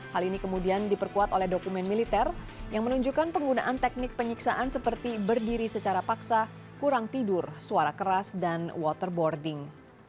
hal ini kemudian diperkuat oleh dokumen militer yang menunjukkan penggunaan teknik penyiksaan seperti berdiri secara paksa kurang tidur suara keras dan waterboarding